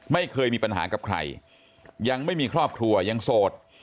ไม่เคยมีปัญหากับใครยังไม่มีครอบครัวยังโสด